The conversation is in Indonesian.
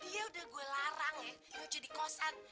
dia udah gue larang ya yang jadi kosat